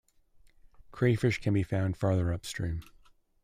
Crayfish can be found farther upstream.